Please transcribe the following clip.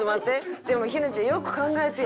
でも陽菜ちゃんよく考えてよ。